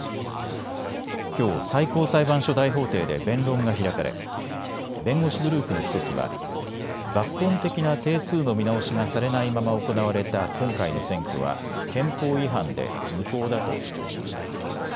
きょう最高裁判所大法廷で弁論が開かれ弁護士グループの１つは抜本的な定数の見直しがされないまま行われた今回の選挙は憲法違反で無効だと主張しました。